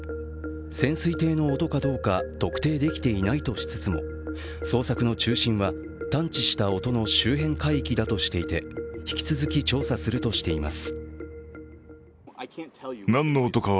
潜水艇の音かどうか特定できていないとしつつも、捜索の中心は探知した音の周辺海域だとしていて引き続き調査するとしています。